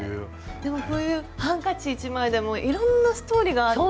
でもこういうハンカチ一枚でもいろんなストーリーがあって。